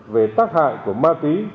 về tác hại của ma túy